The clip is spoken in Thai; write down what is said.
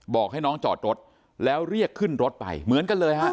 บอกให้น้องจอดรถแล้วเรียกขึ้นรถไปเหมือนกันเลยฮะ